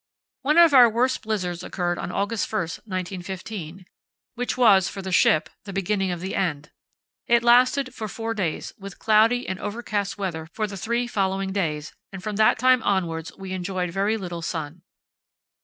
One of our worst blizzards occurred on August 1, 1915, which was, for the ship, the beginning of the end. It lasted for four days, with cloudy and overcast weather for the three following days, and from that time onwards we enjoyed very little sun.